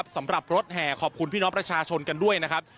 สำหรับรถแห่ขอบคุณพี่น้องประชาชนกันด้วยนะครับ